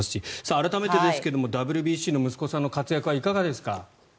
改めてですがＷＢＣの息子さんの活躍はいかがですか。